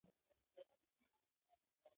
تېزه واوره وه او بندیان ډېر لېرې نه وو تللي